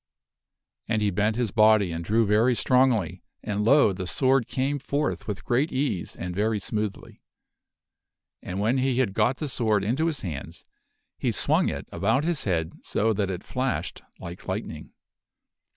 And he bent his body and drew very strongly and, lo ! the sword came Arthur drawm forth with great ease and very smoothly. And when he had eth forth the got the sword into his hands, he swung it about his head so sword that it flashed like lightning.